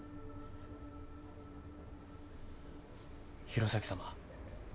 弘前様